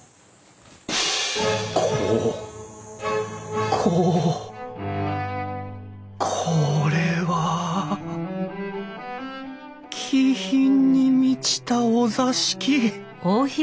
こここれは気品に満ちたお座敷！